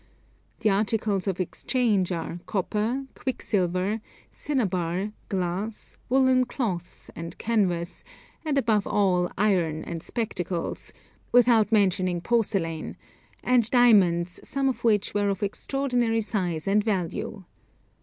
The articles of exchange are copper, quicksilver, cinnabar, glass, woollen cloths, and canvas, and above all iron and spectacles, without mentioning porcelain, and diamonds, some of which were of extraordinary size and value.